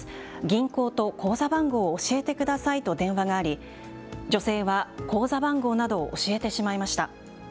銀行と口座番号を教えてくださいと電話があり女性は口座番号などを教えてしまいました。